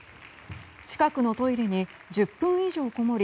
近くのトイレに１０分以上こもり